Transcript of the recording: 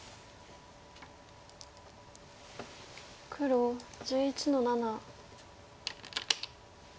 黒１１の七。